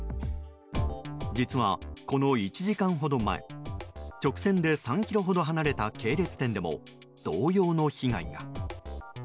実は、この１時間ほど前直線で３ｋｍほど離れた系列店でも同様の被害が。